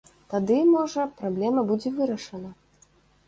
Тады, можа, праблема будзе вырашана.